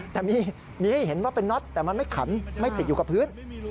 แต่มีให้เห็นว่าเป็นน็อตแต่มันไม่ขันไม่ติดอยู่กับพื้น